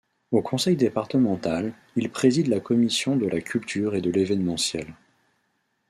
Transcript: Au conseil départemental, il préside la commission de la culture et de l'évènementiel.